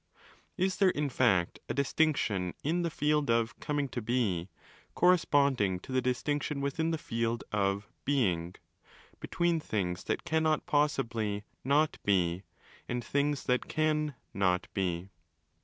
Is there, in fact, a dis tinction in the field of ' coming to be' corresponding to the distinction, within the field of ' being', between things that cannot possibly 'not be' and things that can ' not be'?